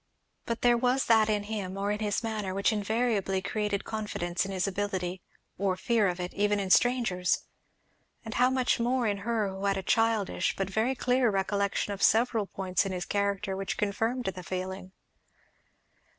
But there was that in him or in his manner which invariably created confidence in his ability, or fear of it, even in strangers; and how much more in her who had a childish but very clear recollection of several points in his character which confirmed the feeling.